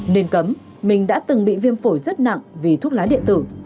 nên cấm mình đã từng bị viêm phổi rất nặng vì thuốc lá điện tử